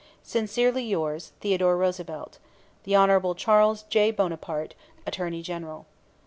Sincerely yours, THEODORE ROOSEVELT. HON. CHARLES J. BONAPARTE. Attorney General.